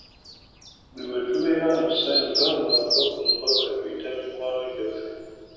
Buli lwe tubeeera mu ssanyu gamba nga ku mbaga tuyita mikwano gyaffe.